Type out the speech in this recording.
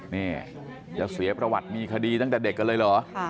นี่จะเสียประวัติมีคดีตั้งแต่เด็กกันเลยเหรอ